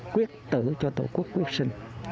quyết tử cho tổ quốc quyết sinh